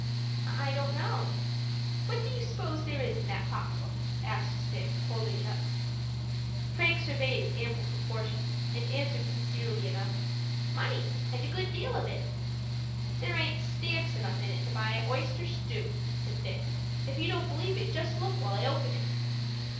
"I don't know." "What do you s'pose there is in that pocket book?" asked Dick, holding it up. Frank surveyed its ample proportions, and answered sincerely enough, "Money, and a good deal of it." "There aint stamps enough in it to buy a oyster stew," said Dick. "If you don't believe it, just look while I open it."